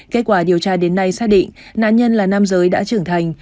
kết quả điều tra đến nay xác định nạn nhân là nam giới đã trưởng thành